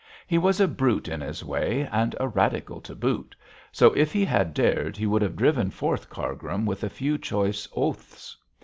He was a brute in his way, and a Radical to boot, so if he had dared he would have driven forth Cargrim with a few choice oaths.